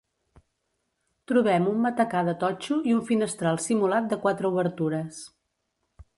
Trobem un matacà de totxo i un finestral simulat de quatre obertures.